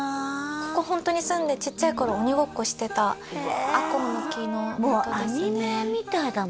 ここホントに住んでちっちゃい頃鬼ごっこしてたアコウの木のもとですねもうアニメみたいだもんね